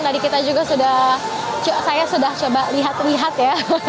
jadi kita juga sudah saya sudah coba lihat lihat ya